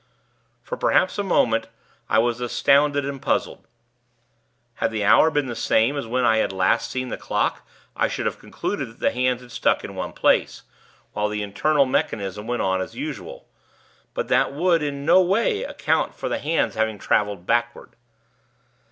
For perhaps a moment I was astounded and puzzled. Had the hour been the same as when I had last seen the clock, I should have concluded that the hands had stuck in one place, while the internal mechanism went on as usual; but that would, in no way, account for the hands having traveled backward.